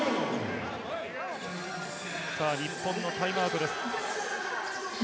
日本のタイムアウトです。